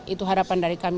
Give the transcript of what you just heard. itu harapan dari kami